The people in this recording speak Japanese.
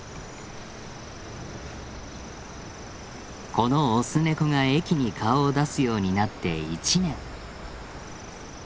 このオスネコが駅に顔を出すようになって１年。